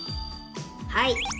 はい。